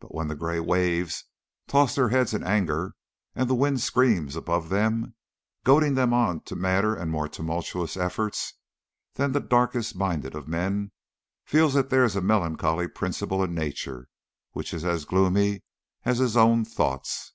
But when the grey waves toss their heads in anger, and the wind screams above them, goading them on to madder and more tumultuous efforts, then the darkest minded of men feels that there is a melancholy principle in Nature which is as gloomy as his own thoughts.